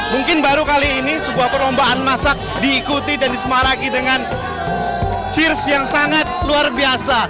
mungkin baru kali ini sebuah perlombaan masak diikuti dan disemaraki dengan cheers yang sangat luar biasa